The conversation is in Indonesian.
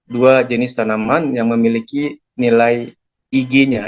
dua jenis tanaman yang memiliki nilai ig nya